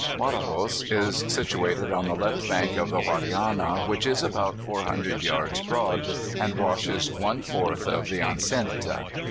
Badajos is situated on the left bank of the Guadiana, which is about 400 yards broad and washes one fourth of the enceinte.